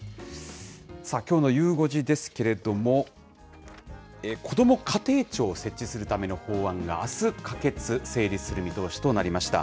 さあ、きょうのゆう５時ですけれども、こども家庭庁を設置するための法案が、あす、可決・成立する見通しとなりました。